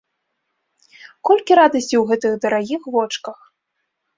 Колькі радасці ў гэтых дарагіх вочках!